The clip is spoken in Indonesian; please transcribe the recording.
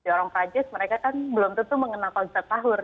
orang perancis mereka kan belum tentu mengenal konsep sahur